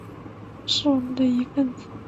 是我们的一分子